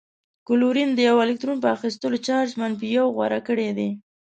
کلورین د یوه الکترون په اخیستلو چارج منفي یو غوره کړی دی.